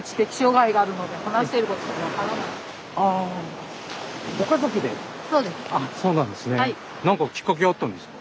あっそうなんですね。